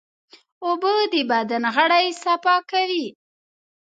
اوبه د بدن غړي صفا کوي.